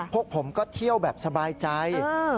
พวกผมก็เที่ยวแบบสบายใจ